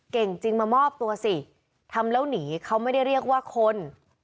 เก่งจริงมามอบตัวสิทำแล้วหนีเขาไม่ได้เรียกว่าคน